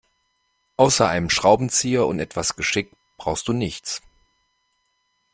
Außer einem Schraubenzieher und etwas Geschick brauchst du nichts.